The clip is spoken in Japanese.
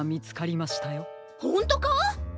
ほんとか？